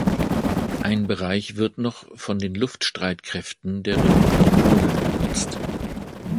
Ein Bereich wird noch von den Luftstreitkräften der Republik Polen genutzt.